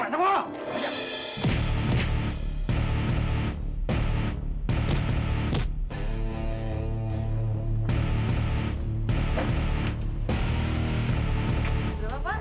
mudah mudahan nggak terlambat